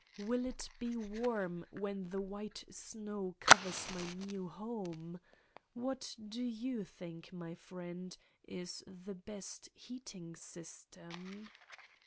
Will it be warm when the white snow covers my new home? What do you think, my friend, is the best heating system?